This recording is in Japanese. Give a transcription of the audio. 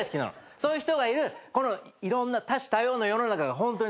そういう人がいるいろんな多種多様の世の中がホントに好き。